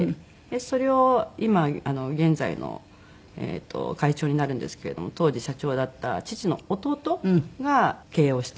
それを今現在の会長になるんですけれども当時社長だった父の弟が経営をしてまして。